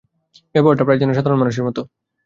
ব্যবহারটা প্রায় যেন সাধারণ মানুষের মতো।